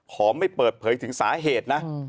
ขอไม่เปิดเผยถึงสาเหตุนะ